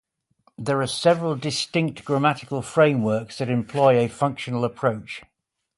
There are several distinct grammatical frameworks that employ a functional approach.